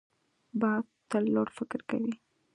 باز تل لوړ فکر کوي